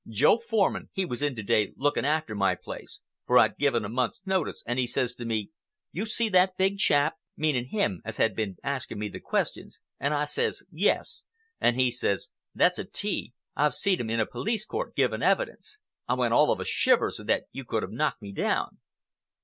Joe Forman, he was in to day looking after my place, for I'd given a month's notice, and he says to me, 'You see that big chap?'—meaning him as had been asking me the questions—and I says 'Yes!' and he says, 'That's a 'tee. I've seed him in a police court, giving evidence.' I went all of a shiver so that you could have knocked me down."